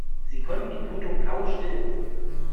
Sie konnten die Blutung kaum stillen.